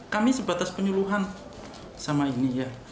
kami sebatas penyuluhan sama ini ya